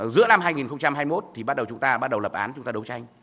giữa năm hai nghìn hai mươi một thì chúng ta bắt đầu lập án chúng ta đấu tranh